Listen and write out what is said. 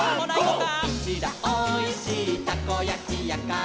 「うちらおいしいたこやきやから」